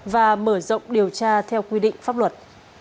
và mở rộng điều tra theo quy định pháp luật